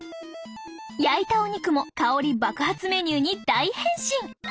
焼いたお肉も香り爆発メニューに大変身！